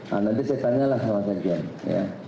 nah nanti saya tanyalah sama sekjen ya